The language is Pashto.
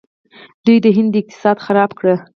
دوی د هند اقتصاد خراب کړ.